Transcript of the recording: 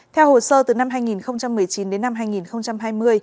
theo hồ sơ từ năm hai nghìn một mươi chín đến năm hai nghìn hai mươi